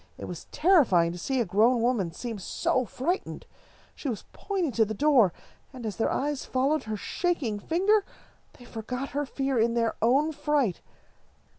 It was terrifying to see a grown woman seem so frightened. She was pointing to the door, and, as their eyes followed her shaking finger, they forgot her fear in their own fright.